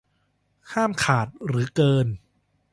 ห้ามขาดหรือเกิน